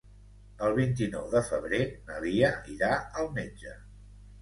El vint-i-nou de febrer na Lia irà al metge.